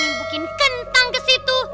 nimbukin kentang kesitu